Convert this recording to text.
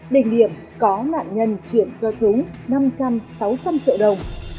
đình điệp có nạn nhân chuyển cho chúng năm trăm linh sáu trăm linh triệu đồng